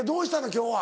今日は。